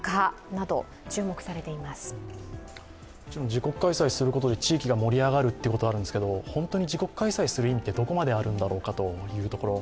自国開催することで地域が盛り上がるってことがあるんですけど本当に自国開催する意味はどこまであるんだろうというところ。